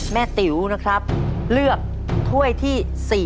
ติ๋วนะครับเลือกถ้วยที่๔